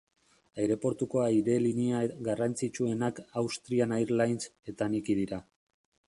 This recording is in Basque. Aireportuko airelinea garrantzitsuenak Austrian Airlines eta Niki dira.